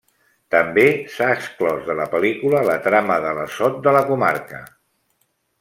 També s'ha exclòs de la pel·lícula la trama de l'Assot de la Comarca.